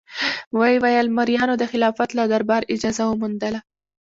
ویې ویل: مریانو د خلافت له دربار اجازه وموندله.